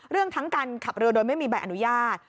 ทั้งการขับเรือโดยไม่มีใบอนุญาต